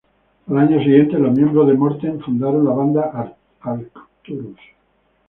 Al año siguiente los miembros de Mortem fundaron la banda Arcturus.